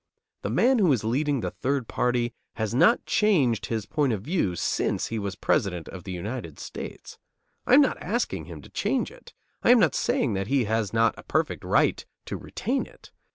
The man who is leading the third party has not changed his point of view since he was President of the United States. I am not asking him to change it. I am not saying that he has not a perfect right to retain it.